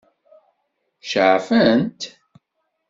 Ceɛfent?